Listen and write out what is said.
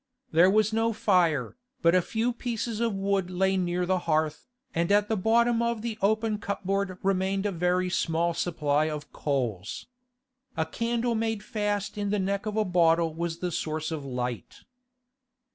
There was no fire, but a few pieces of wood lay near the hearth, and at the bottom of the open cupboard remained a very small supply of coals. A candle made fast in the neck of a bottle was the source of light.